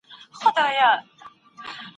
له ټولنیزو امتیازاتو بې برخي نه سی.